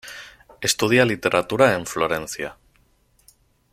Estudia literatura en Florencia.